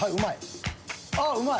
うまい！